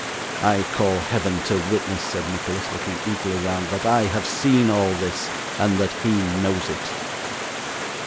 I call Heaven to witness,' said Nicholas, looking eagerly round, 'that I have seen all this, and that he knows it.